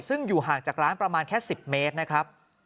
ซึ่งอยู่ห่างจากร้านประมาณแค่๑๐เมตรนะครับ